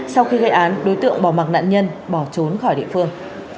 sau khi gây án đối tượng bỏ mặt nạn nhân bỏ trốn khỏi địa phương